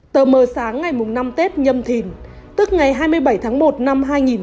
tờ mờ sáng ngày năm tết nhâm thìn tức ngày hai mươi bảy tháng một năm hai nghìn một mươi hai